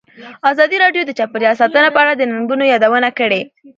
ازادي راډیو د چاپیریال ساتنه په اړه د ننګونو یادونه کړې.